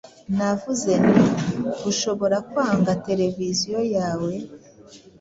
Navuze nti: "Ushobora kwanga televiziyo yawe?"